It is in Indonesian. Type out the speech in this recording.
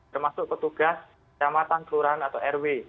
termasuk petugas kecamatan kelurahan atau rw